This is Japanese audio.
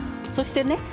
そしてね